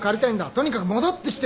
とにかく戻ってきてくれ。